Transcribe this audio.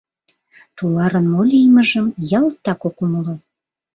Туларын мо лиймыжым ялтак ок умыло.